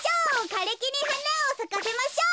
かれきにはなをさかせましょう！」。